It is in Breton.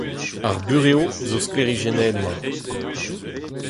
Ar burev zo sklaerijennet-mat.